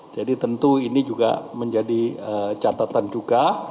jadi tentu ini juga menjadi catatan juga